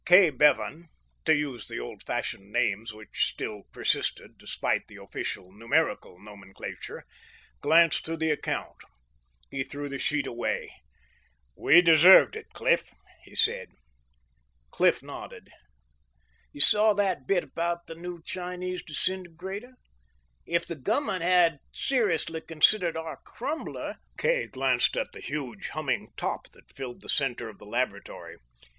Kay Bevan to use the old fashioned names which still persisted, despite the official numerical nomenclature glanced through the account. He threw the sheet away. "We deserved it, Cliff," he said. Cliff nodded. "You saw that bit about the new Chinese disintegrator? If the Government had seriously considered our Crumbler " Kay glanced at the huge, humming top that filled the center of the laboratory.